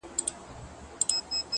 زه به د ميني يوه در زده کړم ـ